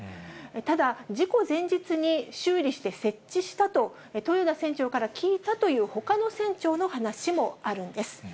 ただ、事故前日に、修理して設置したと、豊田船長から聞いたという、ほかの船長の話もあるんです。